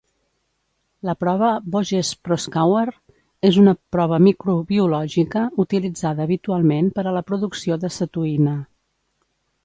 La prova Voges-Proskauer és una prova microbiològica utilitzada habitualment per a la producció d'acetoïna.